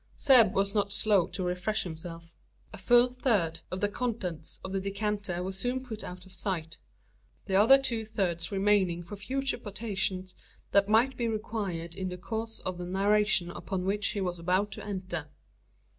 Zeb was not slow to refresh himself. A full third of the contents of the decanter were soon put out of sight the other two thirds remaining for future potations that might be required in the course of the narration upon which he was about to enter.